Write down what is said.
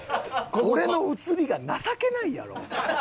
俺の映りが情けないやろ。